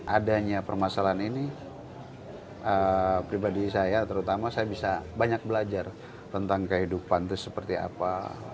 adanya permasalahan ini pribadi saya terutama saya bisa banyak belajar tentang kehidupan itu seperti apa